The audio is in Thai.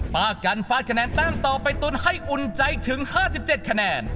ป้ากันฟาดคะแนนแต้มต่อไปตุ้นให้อุ่นใจถึง๕๗คะแนน